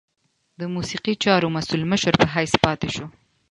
د موسیقي چارو مسؤل مشر په حیث پاته شو.